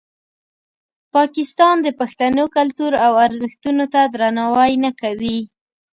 پاکستان د پښتنو کلتور او ارزښتونو ته درناوی نه کوي.